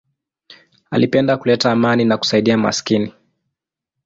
Alipenda kuleta amani na kusaidia maskini.